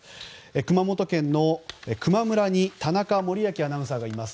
熊本県の球磨村に田中杜旺アナウンサーがいます。